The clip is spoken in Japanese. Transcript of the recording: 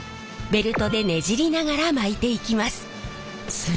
ベルトでねじりながら巻いていきます。